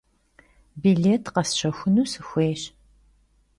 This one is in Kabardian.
Bilêt khesşexunu sxuêyş.